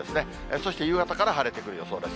そして夕方から晴れてくる予想です。